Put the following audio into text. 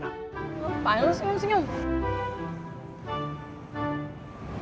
apaan lu senyum senyum